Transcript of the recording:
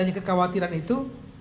adanya kekhawatiran itu